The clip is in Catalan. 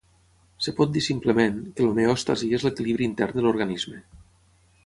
Es pot dir simplement, que l'homeòstasi és l'equilibri intern de l'organisme.